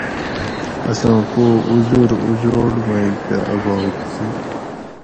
اساں پو اُزر اُزروٹ مئ کہ آباد ھو